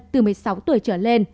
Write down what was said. từ một mươi sáu tuổi trở lên